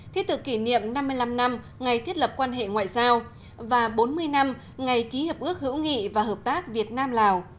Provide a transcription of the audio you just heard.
thiết thực kỷ niệm năm mươi năm năm ngày thiết lập quan hệ ngoại giao và bốn mươi năm ngày ký hiệp ước hữu nghị và hợp tác việt nam lào